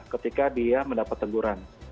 ketika dia mendapat teguran